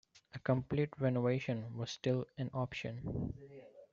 A complete renovation was still an option.